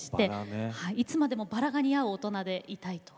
いつまでもバラが似合う大人でいたいと。